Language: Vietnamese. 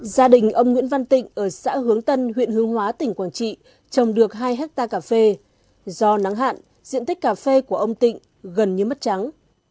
gia đình ông nguyễn văn tịnh ở xã hướng tân huyện hương hóa tỉnh quảng trị trồng được hai hectare cà phê do nắng hạn diện tích cà phê của ông tịnh gần như mất trắng